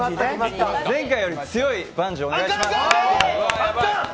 前回より強いバンジーお願いします。